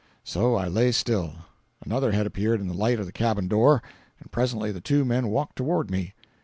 So I lay still. Another head appeared in the light of the cabin door, and presently the two men walked toward me.